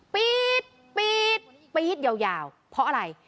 ปี๊ดยาวเพราะอะไร